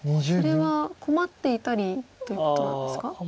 それは困っていたりということなんですか？